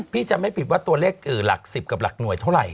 จำไม่ผิดว่าตัวเลขหลัก๑๐กับหลักหน่วยเท่าไหร